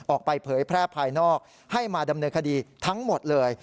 เผยแพร่ภายนอกให้มาดำเนินคดีทั้งหมดเลย